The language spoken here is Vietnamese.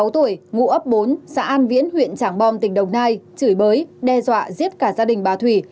năm mươi sáu tuổi ngũ ấp bốn xã an viễn huyện trảng bom tỉnh đồng nai chửi bới đe dọa giết cả gia đình bà thủy